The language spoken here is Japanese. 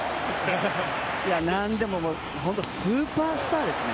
なんでも、本当スーパースターですね。